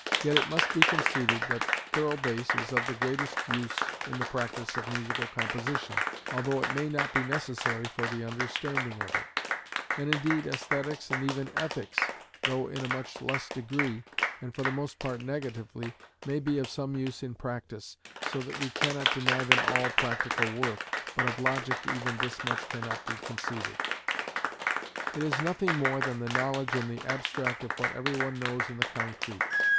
Yet it must be conceded that thorough bass is of the greatest use in the practice of musical composition, although it may not be necessary for the understanding of it; and indeed æsthetics and even ethics, though in a much less degree, and for the most part negatively, may be of some use in practice, so that we cannot deny them all practical worth, but of logic even this much cannot be conceded. It is nothing more than the knowledge in the abstract of what every one knows in the concrete.